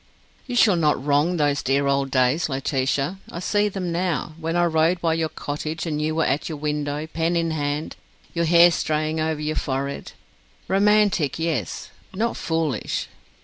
"You shall not wrong those dear old days, Laetitia. I see them now; when I rode by your cottage and you were at your window, pen in hand, your hair straying over your forehead. Romantic, yes; not foolish.